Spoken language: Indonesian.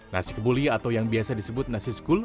nasi kebuli atau yang biasa disebut nasi skul